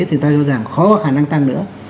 thì ta cho rằng khó có khả năng tăng nữa